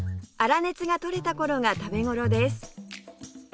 粗熱が取れた頃が食べ頃です